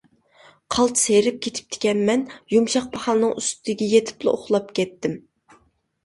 قالتىس ھېرىپ كېتىپتىكەنمەن، يۇمشاق پاخالنىڭ ئۈستىگە يېتىپلا ئۇخلاپ كەتتىم.